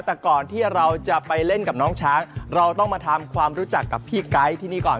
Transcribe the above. แต่ก่อนที่เราจะไปเล่นกับน้องช้างเราต้องมาทำความรู้จักกับพี่ไก๊ที่นี่ก่อน